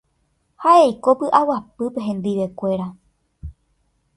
Ha eiko py'aguapýpe hendivekuéra.